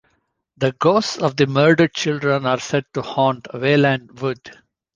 The ghosts of the murdered children are said to haunt Wayland Wood.